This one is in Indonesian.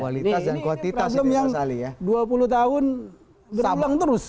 ini ini prasem yang dua puluh tahun berulang terus